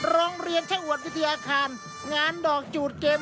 ร้องเรียนใช้อวดวิทยาคารงานดอกจูดเกม